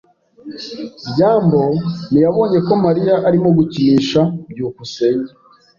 byambo ntiyabonye ko Mariya arimo gukinisha. byukusenge